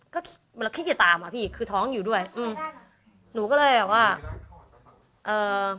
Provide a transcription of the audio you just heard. ก็มันขี้จะตามอ่ะพี่คือท้องอยู่ด้วยอืมหนูก็เลยแบบว่าเอ่อ